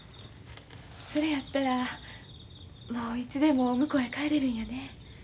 それやったらもういつでも向こうへ帰れるんやね。